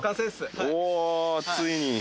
おついに。